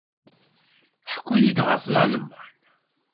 Ḥku-iyi-d ɣef Lalman.